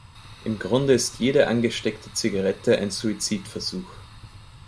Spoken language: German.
Im Grunde ist jede angesteckte Zigarette ein Suizidversuch.